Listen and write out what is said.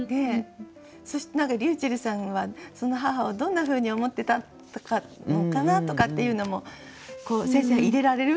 そしてりゅうちぇるさんはその母をどんなふうに思ってたのかなとかっていうのも先生入れられる？